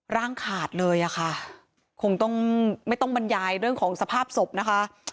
ร่างขาดเลยอะค่ะคงต้องไม่ต้องบรรยายเรื่องของสภาพศพนะคะ